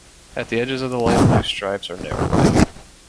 At the edges of the light blue stripes are narrow white.